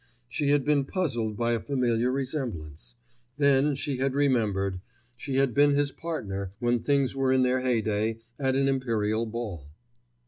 She had been puzzled by a familiar resemblance. Then she had remembered—she had been his partner, when things were in their heyday, at an Imperial Ball.